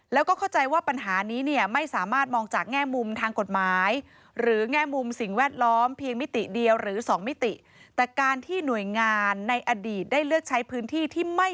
แล้วก็เข้าใจว่าปัญหานี้ไม่สามารถมองจากแง่มุมทางกฎหมายหรือแง่มุมสิ่งแวดล้อมเพียงมิติเดียวหรือสองมิติ